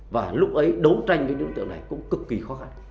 và lúc ấy đấu tranh với đối tượng này cũng cực kỳ khó khăn